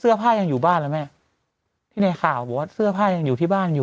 เสื้อผ้ายังอยู่บ้านแล้วแม่ที่ในข่าวบอกว่าเสื้อผ้ายังอยู่ที่บ้านอยู่